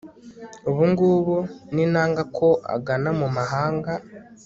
ubu ngubu ninanga ko agana mu mahanga